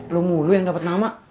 lu mulu yang dapat nama